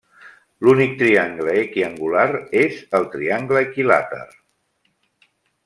L'únic triangle equiangular és el triangle equilàter.